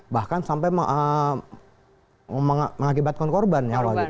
bahkan sampai mengakibatkan korban